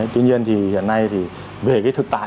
tuy nhiên hiện nay về thực tại